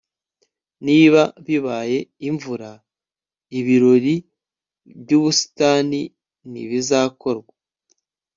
niba bibaye imvura, ibirori byubusitani ntibizakorwa